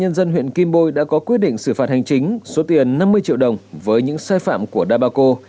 dù ubnd huyện kim bôi đã có quyết định xử phạt hành chính số tiền năm mươi triệu đồng với những sai phạm của đa bà cô